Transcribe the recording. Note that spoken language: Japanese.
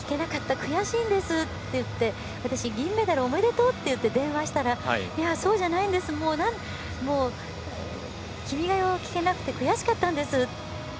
悔しいんですって言って私、銀メダル、おめでとう！って電話したら「そうじゃないんです「君が代」を聴けなくて悔しかったんです」って。